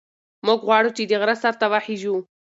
موږ غواړو چې د غره سر ته وخېژو.